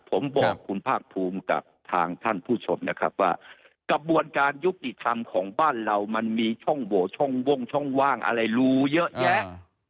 ผมบอกคุณภาคภูมิกับทางท่านผู้ชมนะครับว่ากระบวนการยุติธรรมของบ้านเรามันมีช่องโหวช่องวงช่องว่างอะไรรู้เยอะแยะ